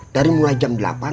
dari mulai jam delapan